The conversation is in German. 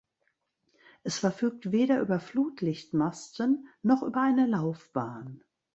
Es verfügt weder über Flutlichtmasten noch über eine Laufbahn.